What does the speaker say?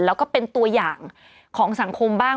แล้วก็เป็นตัวอย่างของสังคมบ้าง